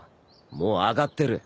もう上がってる。